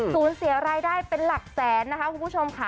สูญเสียรายได้เป็นหลักแสน